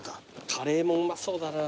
カレーもうまそうだな。